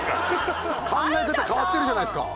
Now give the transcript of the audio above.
考え方変わってるじゃないですか。